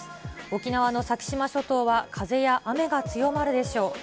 沖縄の先島諸島は風や雨が強まるでしょう。